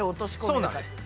そうなんです。